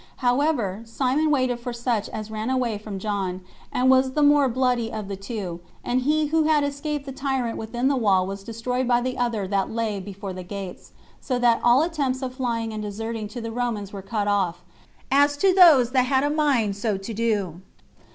However, Simon waited for such as ran away from John, and was the more bloody of the two; and he who had escaped the tyrant within the wall was destroyed by the other that lay before the gates, so that all attempts of flying and deserting to the Romans were cut off, as to those that had a mind so to do.